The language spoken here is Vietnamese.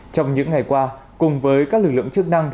trong những ngày qua cùng với các lực lượng chức năng